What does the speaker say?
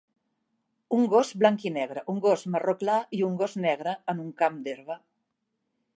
Un gos blanc i negre, un gos marró clar i un gos negre en un camp d'herba.